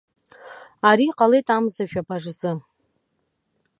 Ари ҟалеит амза жәаба рзы.